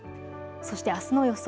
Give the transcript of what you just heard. そしてあすの予想